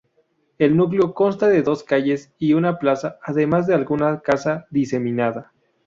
El núcleo consta de dos calles y una plaza, además de alguna casa diseminada.